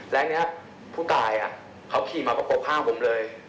แล้วเนี่ยฮะผู้ตายอะเขาขี่มาก็โปรดข้างผมเลย